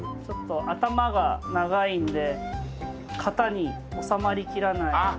ちょっと頭が長いので型に収まりきらない。